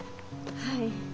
はい。